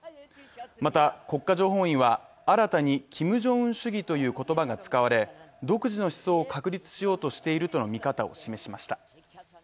また国家情報院は新たにキム・ジョンウン主義という言葉が使われ独自の思想を確立しようとしているとの見方を示しました。